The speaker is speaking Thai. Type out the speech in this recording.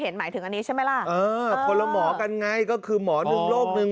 หมายถึงอันนี้ใช่ไหมล่ะเออคนละหมอกันไงก็คือหมอหนึ่งโรคนึง